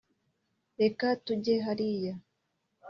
reka tujye hariya.